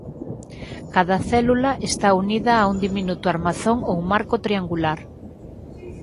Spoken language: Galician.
Cada célula está unida a un diminuto armazón ou marco triangular.